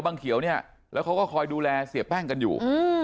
เขียวเนี่ยแล้วเขาก็คอยดูแลเสียแป้งกันอยู่